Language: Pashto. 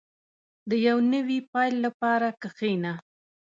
• د یو نوي پیل لپاره کښېنه.